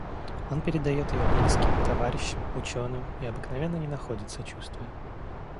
Он передает ее близким, товарищам, ученым и обыкновенно не находит сочувствия.